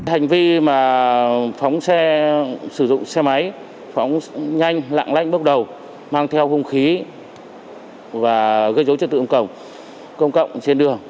hành vi mà phóng xe sử dụng xe máy phóng nhanh lạng lãnh bước đầu mang theo không khí và gây giới trả tự công cộng trên đường